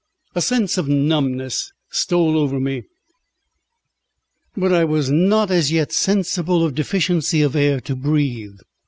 A sense of numbness stole over me, but I was not as yet sensible of deficiency of air to breathe.